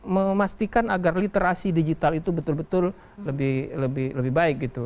memastikan agar literasi digital itu betul betul lebih baik gitu